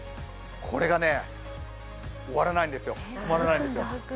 これがね、終わらないんですよ、止まらないんですよ。